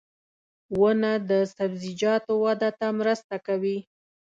• ونه د سبزیجاتو وده ته مرسته کوي.